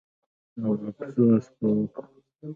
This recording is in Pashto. او افسوس به کوو.